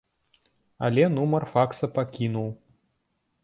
Але нумар факса пакінуў.